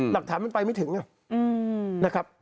หลักฐานมันไปไม่ถึงนะครับ